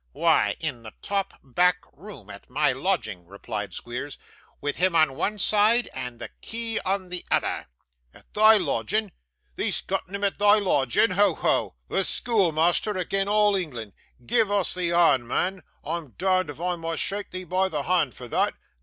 'Why, in the top back room, at my lodging,' replied Squeers, 'with him on one side, and the key on the other.' 'At thy loodgin'! Thee'st gotten him at thy loodgin'? Ho! ho! The schoolmeasther agin all England. Give us thee hond, mun; I'm darned but I must shak thee by the hond for thot.